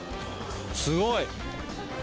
すごい。